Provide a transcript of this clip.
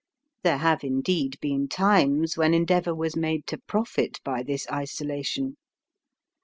There have indeed been times when endeavour was made to profit by this isolation.